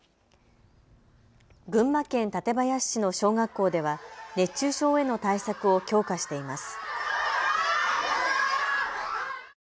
群馬県館林市の小学校では熱中症への対策を強化しています。